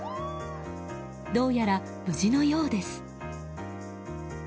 どうやら無事のようです。